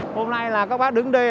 hôm nay là các bác đứng đây